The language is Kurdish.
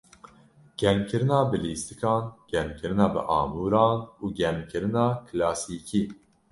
Germkirina bi lîstikan, germkirina bi amûran û germkirina kilasîkî.